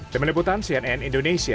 demi liputan cnn indonesia